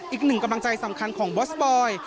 อีกหนึ่งกำลังใจสำคัญของบอสบอย